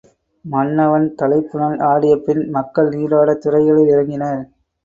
மன்னவன் தலைப்புனல் ஆடியபின், மக்கள் நீராடத் துறைகளில் இறங்கினர்.